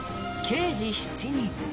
「刑事７人」。